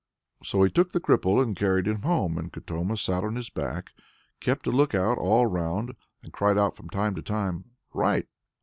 So he took the cripple and carried him home, and Katoma sat on his back, kept a look out all round, and cried out from time to time: "Right!